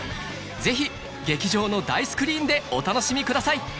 ぜひ劇場の大スクリーンでお楽しみください